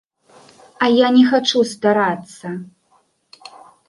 А я не хачу старацца.